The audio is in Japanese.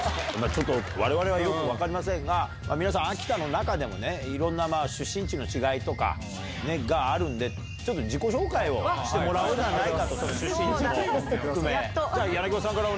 ちょっと、われわれはよく分かりませんが、皆さん、秋田の中でもね、いろんな出身地の違いとかがあるんで、ちょっと自己紹介をしてもらおうじゃないかと、出身地を含め。